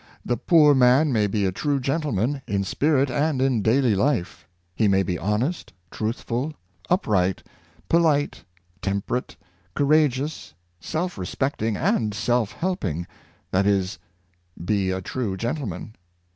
The poor man may be a true gentleman, in spirit and in daily life. He may be honest, truthful, upright, polite, temperate, coura geous, self respecting and self helping — that is, be a true gentleman.